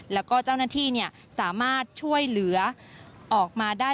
แล้วก็เจ้าหน้าที่สามารถช่วยเหลือออกมาได้